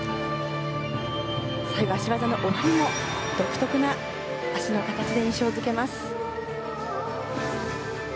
最後、脚技の送りも独特な脚の形で印象付けます。